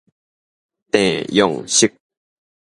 鄭用錫